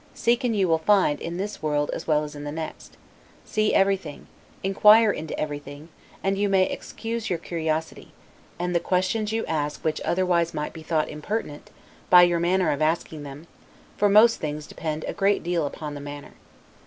Seek and you will find, in this world as well as in the next. See everything; inquire into everything; and you may excuse your curiosity, and the questions you ask which otherwise might be thought impertinent, by your manner of asking them; for most things depend a great deal upon the manner.